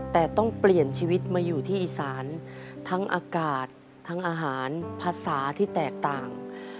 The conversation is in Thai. แต่ต้องเปลี่ยนชีวิตมาอยู่ที่อีสานทั้งอากาศทั้งอาหารภาษาที่แตกต่าง